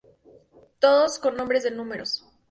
Todos con nombres de números.